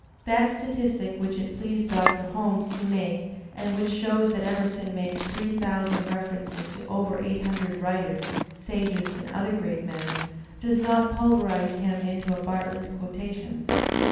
That statistic which it pleased Doctor Holmes to make and which shows that Emerson makes three thousand refer ences to over eight hundred writers, sages, and other great men, does not pulverize him into a Bartlett's Quotations.